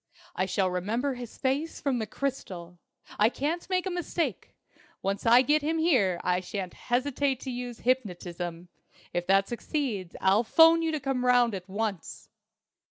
I shall remember his face from the crystal. I can't make a mistake! Once I get him here I shan't hesitate to use hypnotism. If that succeeds, I'll 'phone you to come round at once."